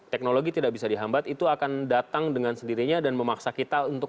teknologi tidak bisa dihambat itu akan datang dengan sendirinya dan memaksa kita untuk